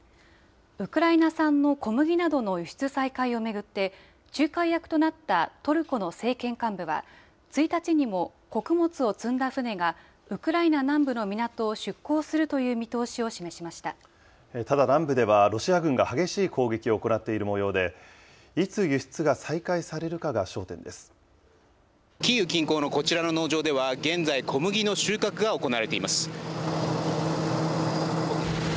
ウクライナ産の小麦などの輸出再開を巡って、仲介役となったトルコの政権幹部は、１日にも穀物を積んだ船がウクライナ南部の港を出港するという見ただ、南部ではロシア軍が激しい攻撃を行っているもようで、いつ輸出がキーウ近郊のこちらの農場では、現在、小麦の収穫が行われています。